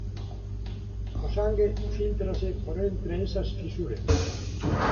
O sangue fíltrase por entre esas fisuras.